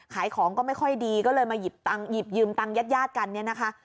ขายของก็ไม่ค่อยดีก็เลยมาหยิบยืมตังค์ญาติญาติกันเนี่ยนะคะ